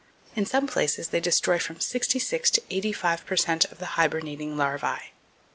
"In some places they destroy from sixty six to eighty five per cent of the hibernating larvae."